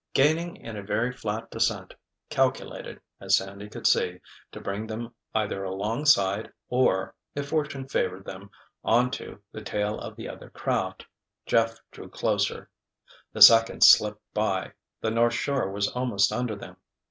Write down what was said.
Gaining in a very flat descent, calculated, as Sandy could see, to bring them either alongside or—if fortune favored them—onto the tail of the other craft, Jeff drew closer. The seconds slipped by. The North Shore was almost under them.